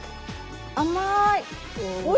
甘い！